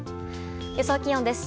予想気温です。